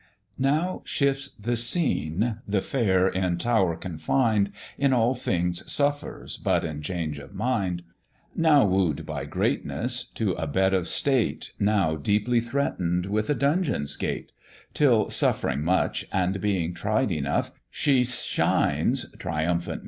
Now shifts the scene, the fair in tower confined, In all things suffers but in change of mind; Now woo'd by greatness to a bed of state, Now deeply threaten'd with a dungeon's grate; Till, suffering much, and being tried enough, She shines, triumphant maid!